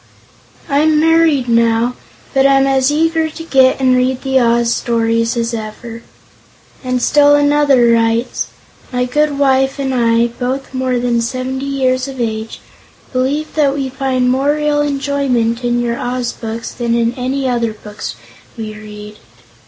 I'm married, now, but am as eager to get and read the Oz stories as ever." And still another writes: "My good wife and I, both more than 70 years of age, believe that we find more real enjoyment in your Oz books than in any other books we read."